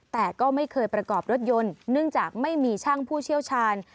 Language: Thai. แต่ก็ไม่เคยประกอบรถยนต์เนื่องจากไม่มีช่างผู้เชี่ยวชาญ